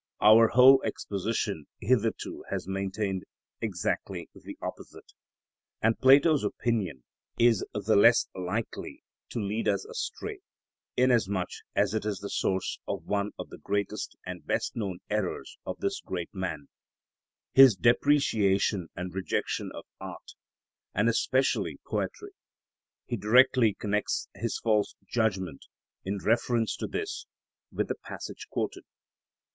Our whole exposition hitherto has maintained exactly the opposite, and Plato's opinion is the less likely to lead us astray, inasmuch as it is the source of one of the greatest and best known errors of this great man, his depreciation and rejection of art, and especially poetry; he directly connects his false judgment in reference to this with the passage quoted.